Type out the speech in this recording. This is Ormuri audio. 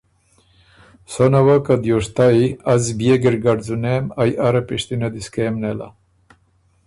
سنه وه که دیوشتئ از بيې ګِرګډ ځُونېم ائ اره پِشتِنئ دی سو کېم نېله۔